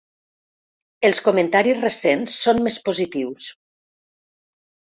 Els comentaris recents són més positius.